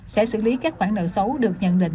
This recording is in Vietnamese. sẽ xử lý các khoản nợ xấu được nhận định